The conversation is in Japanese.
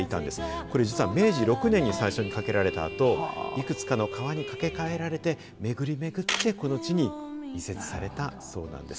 これ実は、明治６年に最初に架けられたあと、いくつかの川に架け替えられて、巡り巡ってこの地に移設されたそうなんです。